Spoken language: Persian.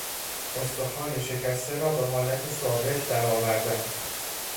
استخوان شکسته را به حالت ثابت درآوردن